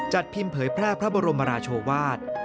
จัดพิมพ์เพราะแพร่พระบรมราชวาส